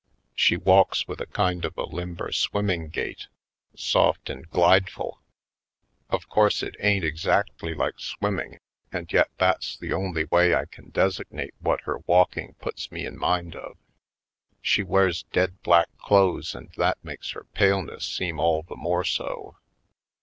She walks with a kind of a limber swimming gait, soft and glideful; of 58 /. Poindexter^ Colored course it ain't exactly like swimming and yet that's the only way I can designate what her w^alking puts me in mind of. She wears dead black clothes and that makes her pale ness seem all the more so.